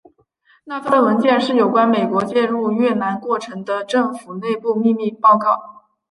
那份文件是有关美国介入越南过程的政府内部秘密报告。